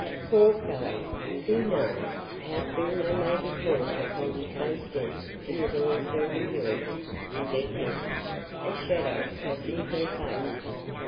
"Poor fellows, who knows how soon they may be called upon to face death in the Dawsbergen hills?" said Yetive, a shadow crossing her face.